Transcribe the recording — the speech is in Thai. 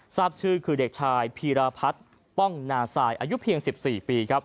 ทราบชื่อคือเด็กชายพีรพัฒน์ป้องนาซายอายุเพียง๑๔ปีครับ